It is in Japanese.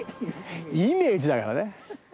イメージだからね？